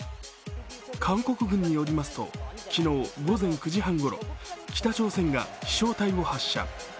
韓国軍によりますと、昨日午前９時半ごろ北朝鮮が飛しょう体を発射。